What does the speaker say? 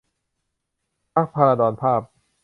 พรรคภราดรภาพ